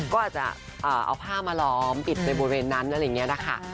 ก็อาจจะเอาผ้ามาล้อมปิดในบริเวณนั้นอะไรอย่างนี้นะคะ